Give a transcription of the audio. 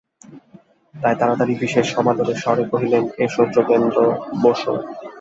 তাই তাড়াতাড়ি বিশেষ সমাদরের স্বরে কহিলেন, এসো যোগেন্দ্র, বোসো।